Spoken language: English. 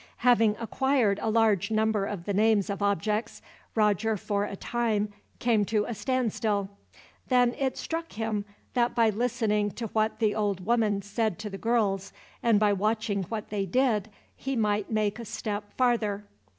Having acquired a large number of the names of objects, Roger, for a time, came to a standstill. Then it struck him that by listening to what the old woman said to the girls, and by watching what they did, he might make a step farther.